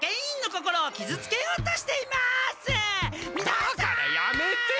だからやめて！